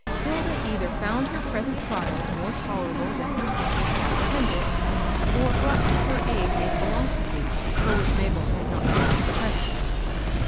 Hilda either found her present trials more tolerable than her sister had apprehended, or brought to her aid a philosophy for which Mabel had not given her credit.